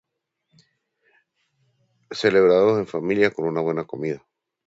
Celebrado en familia con una buena comida.